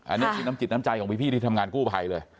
อันนี้คือน้ำจิตน้ำใจของพี่ที่ทำงานกู้ภัยเลย